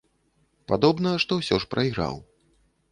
Падобна, што ўсё ж прайграў.